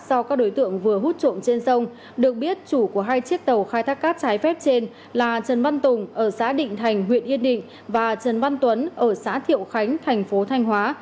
do các đối tượng vừa hút trộm trên sông được biết chủ của hai chiếc tàu khai thác cát trái phép trên là trần văn tùng ở xã định thành huyện yên định và trần văn tuấn ở xã thiệu khánh thành phố thanh hóa